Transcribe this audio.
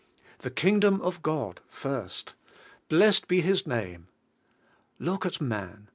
The Kingdom of God first! Blessed be His name! Look at man.